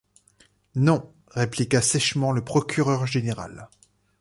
Non, répliqua sèchement le procureur général.